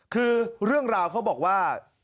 คือเรื่องราวเขาบอกว่า